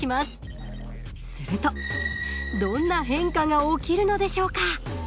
するとどんな変化が起きるのでしょうか？